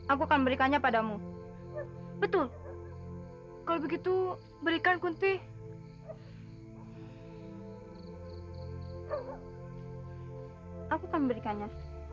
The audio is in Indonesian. aku akan memberikannya